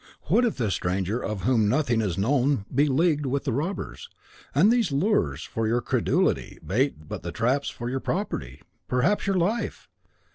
What if this stranger of whom nothing is known be leagued with the robbers; and these lures for your credulity bait but the traps for your property, perhaps your life?